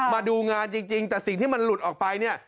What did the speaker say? มาดูงานจริงแต่สิ่งที่มันหลุดออกไปเนี่ย